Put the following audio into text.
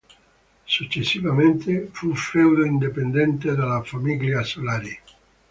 Successivamente fu feudo indipendente della famiglia Solari.